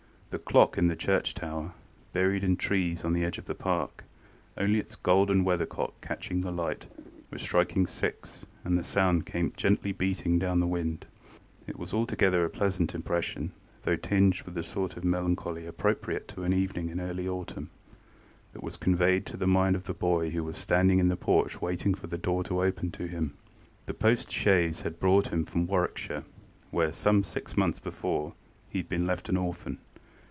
The clock in the church tower, buried in trees on the edge of the park, only its golden weather cock catching the light, was striking six, and the sound came gently beating down the wind. It was altogether a pleasant impression, though tinged with the sort of melancholy appropriate to an evening in early autumn, that was conveyed to the mind of the boy who was standing in the porch waiting for the door to open to him. The post chaise had brought him from Warwickshire, where, some six months before, he had been left an orphan.